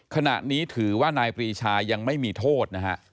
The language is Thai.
ขณะนี้ถือว่านายปรีชายังไม่มีโทษนะฮะ